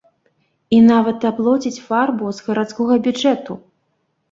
І нават аплоціць фарбу з гарадскога бюджэту.